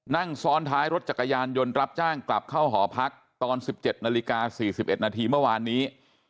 นั่งซ้อนท้ายรถจักรยานยนต์รับจ้างกลับเข้าหอพักตอน๑๗นาฬิกา๔๑นาทีเมื่อวานนี้